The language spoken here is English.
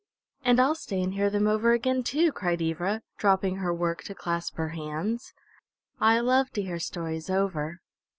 "And I'll stay and hear them over again too!" cried Ivra, dropping her work to clasp her hands. "I love to hear stories over."